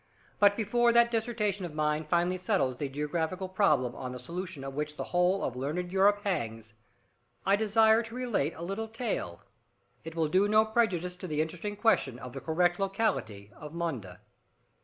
But before that dissertation of mine finally settles the geographical problem on the solution of which the whole of learned Europe hangs, I desire to relate a little tale. It will do no prejudice to the interesting question of the correct locality of Monda.